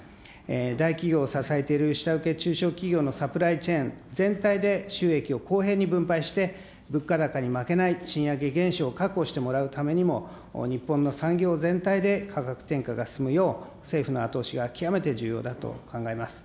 大企業を支えている下請け、中小企業のサプライチェーン全体で収益を公平に分配して、物価高に負けない賃上げ原資を確保していただくためにも、日本の産業全体で価格転嫁が進むよう、政府の後押しが極めて重要だと考えます。